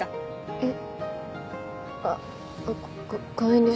えっ？